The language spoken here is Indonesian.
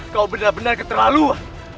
kau benar benar keterlaluan